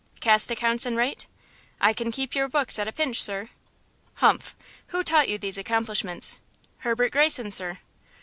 "Cast accounts and write?" "I can keep your books at a pinch, sir." "Humph! Who taught you these accomplishments?" "Herbert Greyson, sir."